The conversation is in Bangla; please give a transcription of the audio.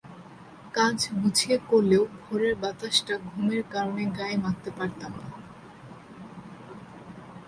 কাজ গুছিয়ে করলেও ভোরের বাতাসটা ঘুমের কারণে গায়ে মাখতে পারতাম না!